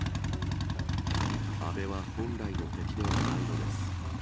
安倍は本来の敵ではないのです。